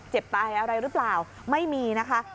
เจ็บตายอะไรหรือเปล่าไม่มีนะคะ